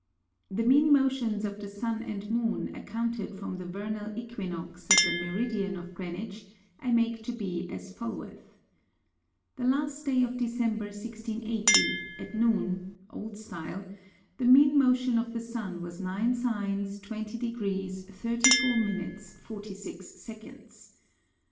The mean Motions of the Sun and Moon, accounted from the Vernal Æquinox at the Meridian of Greenwich, I make to be as followeth. The last Day of December 1680, at Noon (Old Stile) the mean Motion of the Sun was 9 Signs, 20 degrees, 34 minutes, 46 seconds.